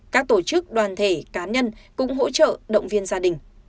các tổ chức đoàn thể cá nhân cũng hỗ trợ động viên gia đình